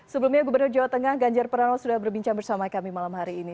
sebelumnya gubernur jawa tengah ganjar pranowo sudah berbincang bersama kami malam hari ini